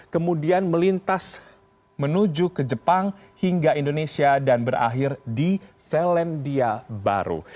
kemudian melintas menuju ke jepang hingga indonesia dan berakhir di selandia baru